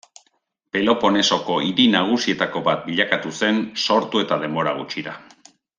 Peloponesoko hiri nagusietako bat bilakatu zen sortu eta denbora gutxira.